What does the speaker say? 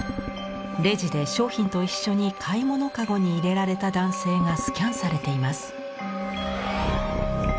レジで商品と一緒に買い物かごに入れられた男性がスキャンされています。